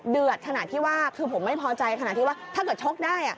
เดือดขนาดที่ว่าคือผมไม่พอใจขนาดที่ว่าถ้าเกิดชกได้